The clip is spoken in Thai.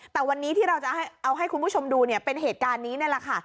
แต่วันนี้ที่เราจะเอาให้คุณผู้ชมดูเนี่ยเป็นเหตุการณ์นี้นี่แหละค่ะ